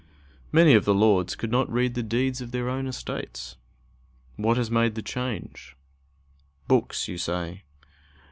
Many of the lords could not read the deeds of their own estates. What has made the change? "Books," you say.